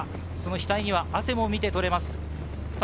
額に汗も見て取れます。